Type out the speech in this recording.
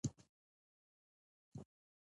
ما رښتیا هم غوښتل ابروزي ته ولاړ شم.